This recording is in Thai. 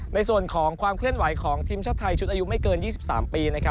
ในส่วนของความเคลื่อนไหวของทีมชาติไทยชุดอายุไม่เกิน๒๓ปี